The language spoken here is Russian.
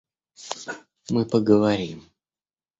Мы поговорим.